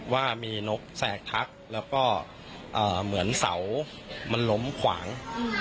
ว่ามีนกแสกทักแล้วก็เหมือนเสามันล้มขวาง